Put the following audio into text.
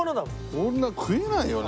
こんな食えないよね。